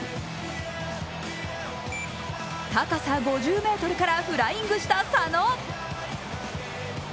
高さ５０ｍからフライングした佐野。